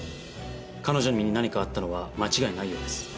彼女の身に何かあったのは間違いないようです。